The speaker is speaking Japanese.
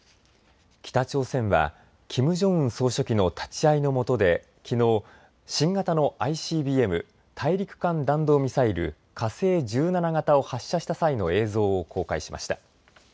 北朝鮮はキム・ジョンウン総書記の立ち会いのもとできのう新型のＩＣＢＭ・大陸間弾道ミサイル、火星１７型を発射した際の映像を公開しました。